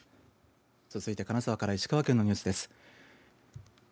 続いて金沢から石川県のニュースです。